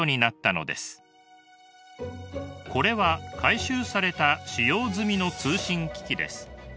これは回収された使用済みの通信機器です。